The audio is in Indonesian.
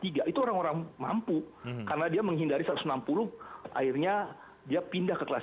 itu orang orang mampu karena dia menghindari satu ratus enam puluh akhirnya dia pindah ke kelas satu